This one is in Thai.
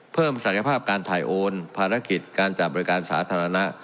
ศักยภาพการถ่ายโอนภารกิจการจัดบริการสาธารณะ